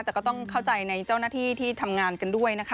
แต่ก็ต้องเข้าใจในเจ้าหน้าที่ที่ทำงานกันด้วยนะคะ